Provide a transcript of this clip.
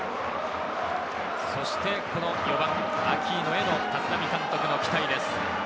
そしてこの４番アキーノへの立浪監督の期待です。